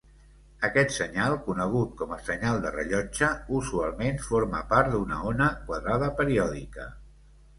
Aquest senyal, conegut com a senyal de rellotge, usualment forma part d'una ona quadrada periòdica.